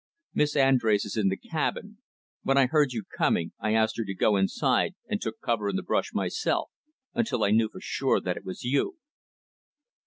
"Miss Andrés is in the cabin. When I heard you coming, I asked her to go inside, and took cover in the brush, myself, until I knew for sure that it was you."